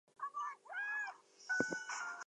Cloud Nothings was formed in Cleveland.